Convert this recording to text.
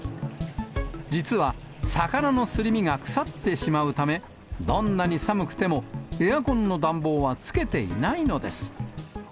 実は魚のすり身が腐ってしまうため、どんなに寒くても、エアコンの暖房はつけていないのです。